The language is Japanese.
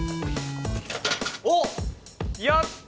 おっやった！